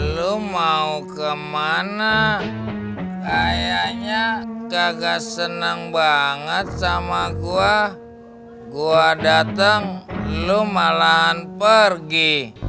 lo mau kemana kayaknya kagak seneng banget sama gua gua dateng lu malahan pergi